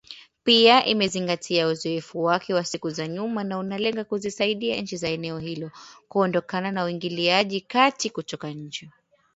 Pia, imezingatia uzoefu wake wa siku za nyuma na unalenga kuzisaidia nchi za eneo hilo, kuondokana na uingiliaji kati kutoka nje